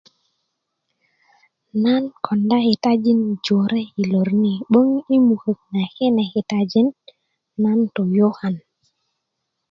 nan konda kitajin jore i lor ni 'boŋ i mukö na kine kitajin nan tu yukan